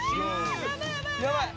やばい！